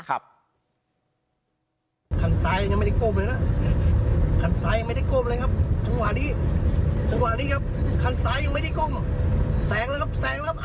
คันซ้ายยังไม่ได้ก้มเลยนะคันซ้ายยังไม่ได้ก้มเลยครับถึงหวานนี้ถึงหวานนี้ครับ